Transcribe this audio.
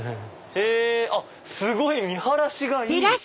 すごい見晴らしがいい。